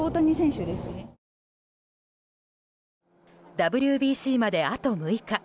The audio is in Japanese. ＷＢＣまで、あと６日。